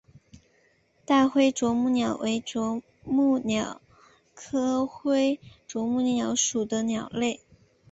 大灰啄木鸟为啄木鸟科灰啄木鸟属的鸟类。